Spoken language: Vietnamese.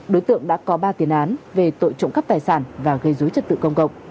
đối tượng đã có ba tiền án về tội trộm cắp tài sản và gây dối trật tự công cộng